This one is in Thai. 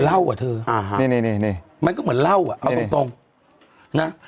เหล้าอ่ะเธออ่านี่นี่นี่นี่มันก็เหมือนเหล้าอ่ะเอาตรงตรงนะ